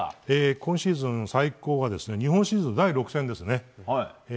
今シーズン最高は日本シリーズの第６戦ですね。